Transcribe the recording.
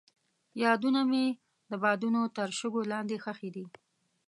یادونه مې د بادونو تر شګو لاندې ښخې دي.